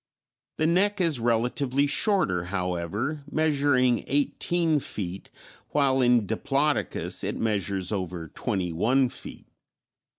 The neck is relatively shorter, however, measuring eighteen feet, while in Diplodocus it measures over twenty one feet.